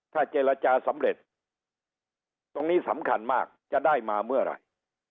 ถ้าเจรจาสำเร็จตรงนี้สำคัญมากจะได้มาเมื่อไหร่